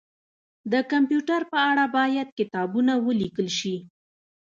د کمپيوټر په اړه باید کتابونه ولیکل شي